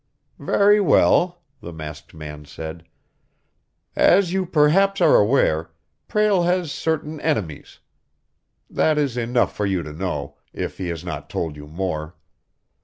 "Very well," the masked man said. "As you perhaps are aware, Prale has certain enemies. That is enough for you to know, if he has not told you more.